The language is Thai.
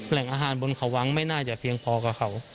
แหล่งอาหารบนเขาวังไม่น่าจะเพียงพอกับเขา